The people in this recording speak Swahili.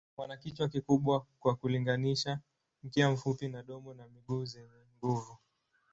Wana kichwa kikubwa kwa kulinganisha, mkia mfupi na domo na miguu zenye nguvu.